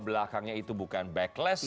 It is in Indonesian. belakangnya itu bukan backless